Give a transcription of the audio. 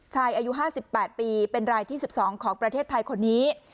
อายุ๕๘ปีเป็นรายที่๑๒ของประเทศไทยคนนี้